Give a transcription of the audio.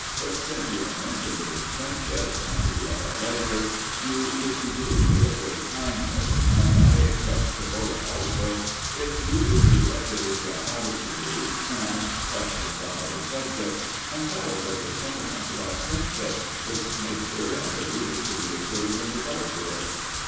But since you have mentioned the word friendship, and we are at leisure, you would be doing me a great kindness, and I expect Scaevola also, if you would do as it is your habit to do when asked questions on other subjects, and tell us your sentiments about friendship, its nature, and the rules to be observed in regard to it.